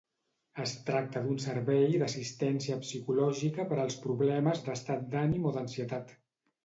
Es tracta d'un servei d'assistència psicològica per als problemes d'estat d'ànim o d'ansietat.